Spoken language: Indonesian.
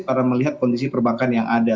karena melihat kondisi perbankan yang ada